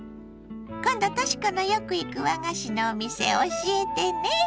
今度とし子のよく行く和菓子のお店教えてね！